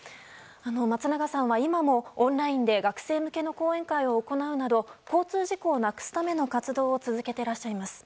松永さんは、今もオンラインで学生向けの講演会を行うなど交通事故をなくすための活動を続けていらっしゃいます。